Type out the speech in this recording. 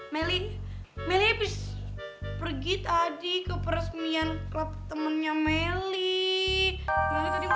melin melin habis pergi tadi ke peresmian klub temennya melin